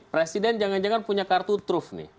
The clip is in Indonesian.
presiden jangan jangan punya kartu truf nih